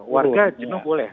warga sendung boleh